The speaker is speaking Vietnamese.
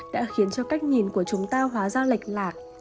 đã khiến cho cách nhìn của chúng ta hóa ra lệch lạc